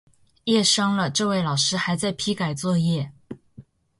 夜深了，这位老师还在批改作业